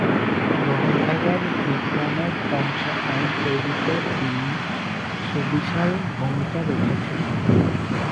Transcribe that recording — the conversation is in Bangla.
গ্রন্থাগার বিজ্ঞানের পঞ্চ আইন তৈরীতে তিনি সুবিশাল ভূমিকা রেখেছিলেন।